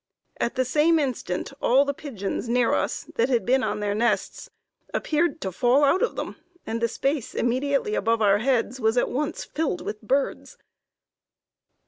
At the same instant, all the pigeons near us, that had been on their nests, appeared to fall out of them, and the space immediately above our heads was at once filled with birds.